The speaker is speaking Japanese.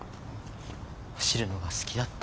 走るのが好きだった。